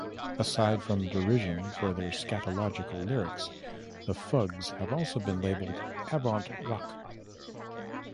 Aside from derision for their "scatological" lyrics, the Fugs have also been labeled "avant-rock.